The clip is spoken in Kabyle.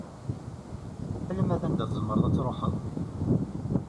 Alamma d anda tzemreḍ ad truḥeḍ?